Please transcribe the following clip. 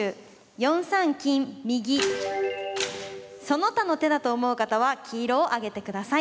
その他の手だと思う方は黄色を上げてください。